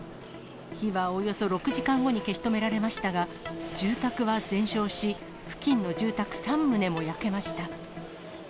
火はおよそ６時間後に消し止められましたが、住宅は全焼し、付近の住宅３棟も焼けました。